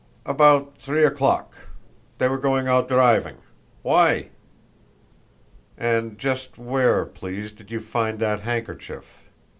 "About three o'clock. They were going out driving. Why?" "And just where, please, did you find that handkerchief?"